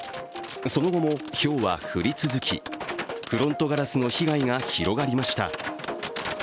その後もひょうは降り続き、フロントガラスの被害が広がりました。